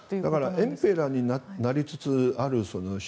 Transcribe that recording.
エンペラーになりつつある習